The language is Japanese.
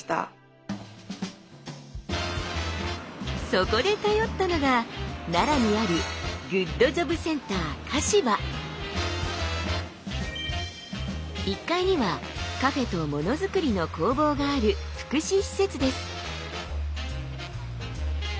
そこで頼ったのが奈良にある１階にはカフェとものづくりの工房がある福祉施設です。